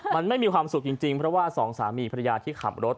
มันไม่มีความสุขจริงเพราะว่าสองสามีภรรยาที่ขับรถ